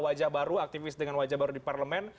wajah baru aktivis dengan wajah baru di parlemen